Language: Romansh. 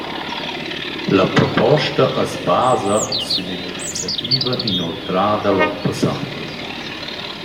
La proposta as basa sün ün’iniziativa inoltrada l’on passà.